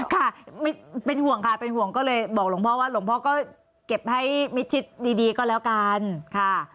ค่ะเป็นห่วงค่ะเป็นห่วงก็เลยบอกหลวงพ่อว่าหลวงพ่อก็เก็บให้มิดชิดดีก็แล้วกันค่ะ